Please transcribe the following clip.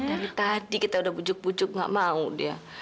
dari tadi kita udah pujuk bujuk nggak mau dia